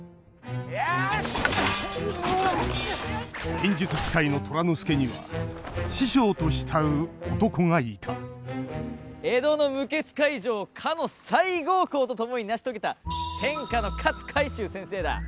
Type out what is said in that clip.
剣術使いの虎之助には師匠と慕う男がいた江戸の無血開城をかの西郷公と共に成し遂げた天下の勝海舟先生だ。